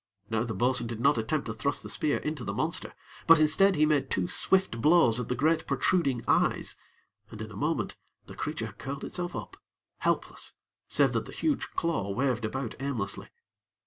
Now the bo'sun did not attempt to thrust the spear into the monster; but instead he made two swift blows at the great protruding eyes, and in a moment the creature had curled itself up, helpless, save that the huge claw waved about aimlessly.